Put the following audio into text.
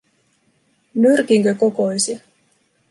Nyrkinkö kokoisia?